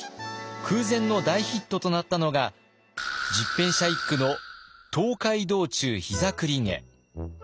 空前の大ヒットとなったのが十返舎一九の「東海道中膝栗毛」。